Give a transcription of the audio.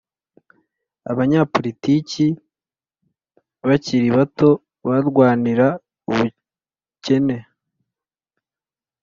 abanyapolitike bakiri bato barwanira ubukene